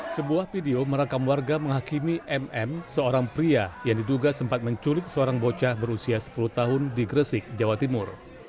sebuah video merekam warga menghakimi mm seorang pria yang diduga sempat menculik seorang bocah berusia sepuluh tahun di gresik jawa timur